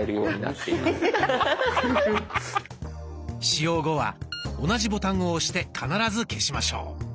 使用後は同じボタンを押して必ず消しましょう。